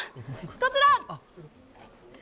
こちら！